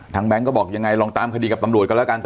แบงค์ก็บอกยังไงลองตามคดีกับตำรวจกันแล้วกัน